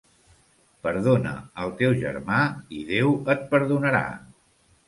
Perdona el teu germà i Déu et perdonarà.